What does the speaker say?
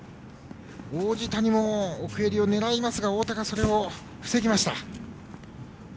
王子谷も奥襟を狙いますが太田がそれを防ぎました。